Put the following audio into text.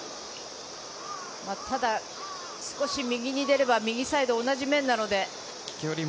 ただ少し右に出れば、右サイド同じ面なので。